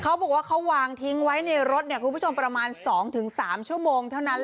เขาบอกว่าเขาวางทิ้งไว้ในรถคุณผู้ชมประมาณ๒๓ชั่วโมงเท่านั้น